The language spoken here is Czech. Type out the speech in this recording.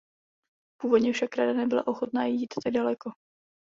Původně však Rada nebyla ochotna jít tak daleko.